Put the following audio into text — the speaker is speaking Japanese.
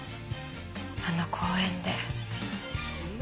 あの公園で。